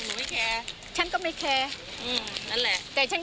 มันมาหลายแล้ว